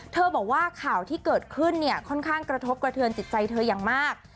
บอกว่าข่าวที่เกิดขึ้นเนี่ยค่อนข้างกระทบกระเทือนจิตใจเธออย่างมาก